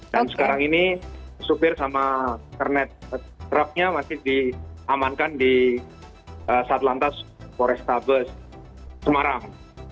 dan sekarang ini sopir sama kernet trucknya masih diamankan di sat lantas forestabes semarang